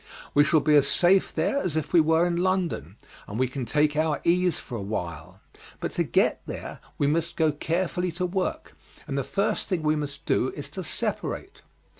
We shall be as safe there as if we were in London, and we can take our ease for awhile; but to get there we must go carefully to work, and the first thing we must do is to separate.